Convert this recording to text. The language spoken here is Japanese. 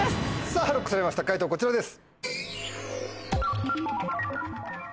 さぁＬＯＣＫされました解答こちらです。